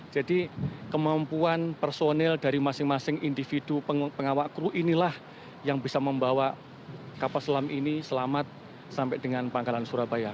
jadi kemampuan personil dari masing masing individu pengawal kru inilah yang bisa membawa kapal selam ini selamat sampai dengan pangkalan surabaya